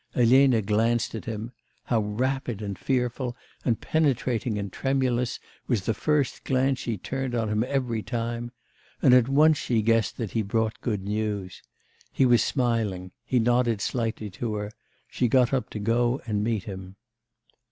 Elena glanced at him how rapid, and fearful, and penetrating, and tremulous, was the first glance she turned on him every time and at once she guessed that he brought good news. He was smiling; he nodded slightly to her, she got up to go and meet him.